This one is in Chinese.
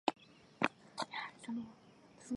密枝猪毛菜为苋科猪毛菜属的植物。